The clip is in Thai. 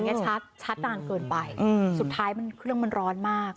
อย่างนี้ชาร์จนานเกินไปสุดท้ายเครื่องมันร้อนมาก